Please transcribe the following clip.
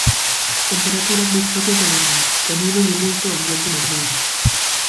Temperaturas máis propias do verán que animan e moito o ambiente nas rúas.